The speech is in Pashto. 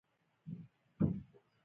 له طالبانو سره هم موافقې ته ورسیږي.